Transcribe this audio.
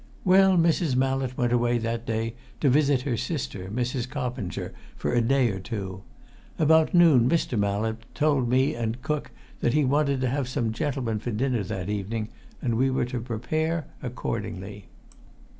"Well, Mrs. Mallett went away that day to visit her sister, Mrs. Coppinger, for a day or two. About noon Mr. Mallett told me and cook that he wanted to have some gentlemen to dinner that evening, and we were to prepare accordingly."